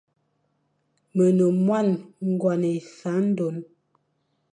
Me ne moan ngone essandone.